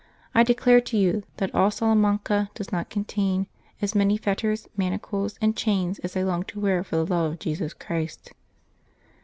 I declare to you that all Salamanca does not contain as many fetters, manacles, and chains as I long to wear for the love of Jesus Christ."